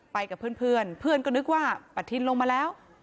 ไปกับเพื่อนเพื่อนก็นึกว่าปะทินลงมาแล้ว